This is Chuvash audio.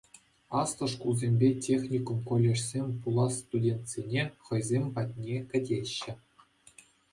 Аслӑ шкулсемпе техникум-колледжсем пулас студентсене хӑйсем патне кӗтеҫҫӗ.